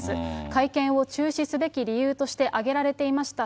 会見を中止すべき理由として挙げられていました